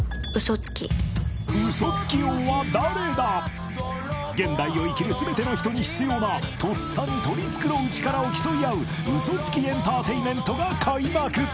嘘つき現代を生きるすべての人に必要なとっさに取りつくろう力を競い合う嘘つきエンターテインメントが開幕！